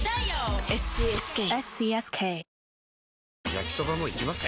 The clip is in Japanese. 焼きソバもいきます？